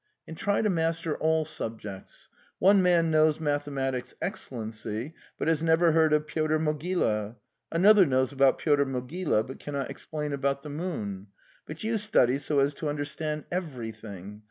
And try to master all subjects. One man knows mathematics excellently, but has never heard of Pyotr Mogila; another knows about Pyotr Mogila, but cannot explain about the moon. But you study so as to understand everything.